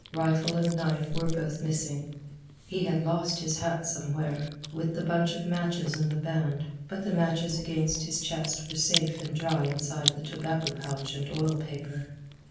Rifle and knife were both missing. He had lost his hat somewhere, with the bunch of matches in the band, but the matches against his chest were safe and dry inside the tobacco pouch and oil paper.